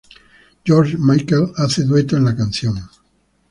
George Michael hace dueto en la canción.